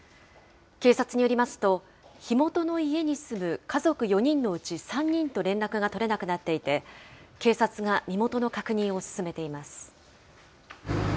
警察によりますと、火元の家に住む家族４人のうち３人と連絡が取れなくなっていて、警察が身元の確認を進めています。